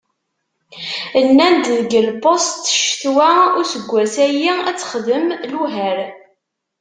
Nnan-d deg lpuṣt ccetwa useggas-ayi ad texdem luheṛ.